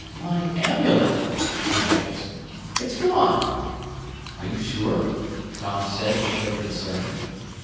"My amulet!" he gasped. "It's gone!" "Are you sure?" Tom said with quick concern.